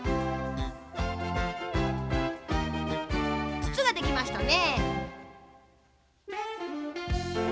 つつができましたね。